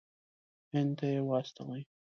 هند ته یې واستوي.